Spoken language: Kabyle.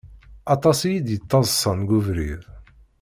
Aṭas iyi-d-yettaḍsan deg ubrid.